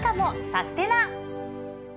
サステナ！